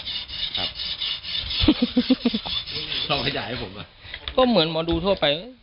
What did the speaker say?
ครับเขามาจ่ายให้ผมอ่ะก็เหมือนหมอดูทั่วไป